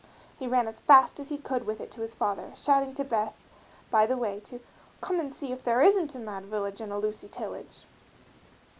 He ran as fast as he could with it to his father, shouting to Beth by the way to "come and see if there isn't a Mad Village and a Lucy Tillage."